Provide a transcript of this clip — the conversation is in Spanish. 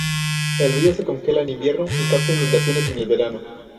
El río se congela en invierno y causa inundaciones en el verano.